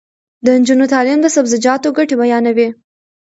د نجونو تعلیم د سبزیجاتو ګټې بیانوي.